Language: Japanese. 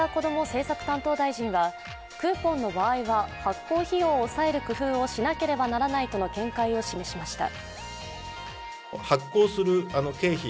政策担当大臣はクーポンの場合は発行費用を抑える工夫をしなければならないとの見解を示しました。